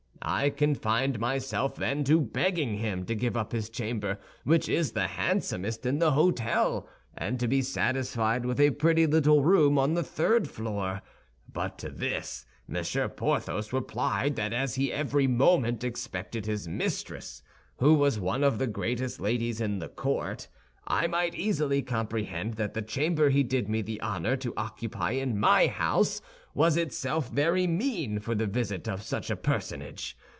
I confined myself then to begging him to give up his chamber, which is the handsomest in the hôtel, and to be satisfied with a pretty little room on the third floor; but to this Monsieur Porthos replied that as he every moment expected his mistress, who was one of the greatest ladies in the court, I might easily comprehend that the chamber he did me the honor to occupy in my house was itself very mean for the visit of such a personage.